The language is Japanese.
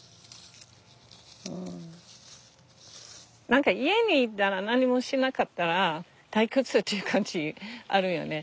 何か家にいたら何もしなかったら退屈という感じあるんよね。